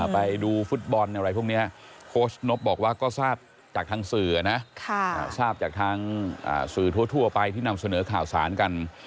ไปดูฟุตบอลอะไรพวกนี้โค้ชนบบอกว่าก็ทราบจากทางสื่อนะทราบจากทางสื่อทั่วไปที่นำเสนอข่าวสารกัน